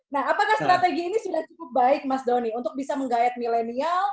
nah apakah strategi ini sudah cukup baik mas doni untuk bisa menggayat milenial